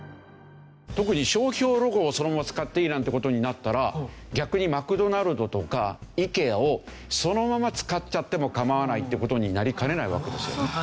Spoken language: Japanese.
特に商標ロゴをそのまま使っていいなんて事になったら逆にマクドナルドとかイケアをそのまま使っちゃっても構わないって事になりかねないわけですよね。